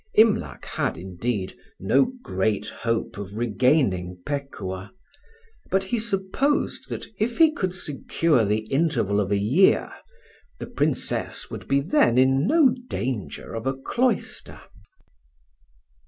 Imlac had, indeed, no great hope of regaining Pekuah; but he supposed that if he could secure the interval of a year, the Princess would be then in no danger of a cloister.